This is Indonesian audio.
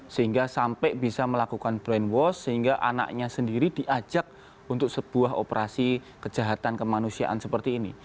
sehingga sampai bisa melakukan brainwash sehingga anaknya sendiri diajak untuk sebuah operasi kejahatan kemanusiaan seperti ini